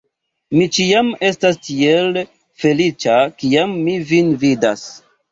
Mi ĉiam estas tiel feliĉa, kiam mi vin vidas!